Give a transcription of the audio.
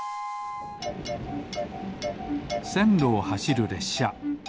せんろをはしるれっしゃ。